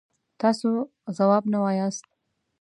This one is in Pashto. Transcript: تاسو ځواب نه وایاست.